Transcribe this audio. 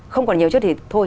không còn nhiều trước thì thôi